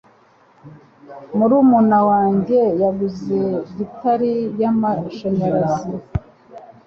Murumuna wanjye yaguze gitari yamashanyarazi.